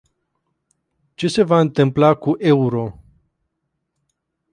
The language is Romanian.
Ce se va întâmpla cu euro?